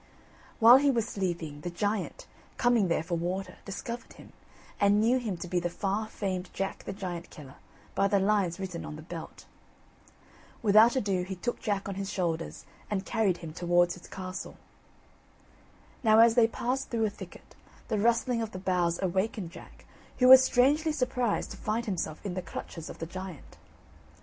While he was sleeping, the giant, coming there for water, discovered him, and knew him to be the far famed Jack the Giant killer by the lines written on the belt. Without ado, he took Jack on his shoulders and carried him towards his castle. Now, as they passed through a thicket, the rustling of the boughs awakened Jack, who was strangely surprised to find himself in the clutches of the giant.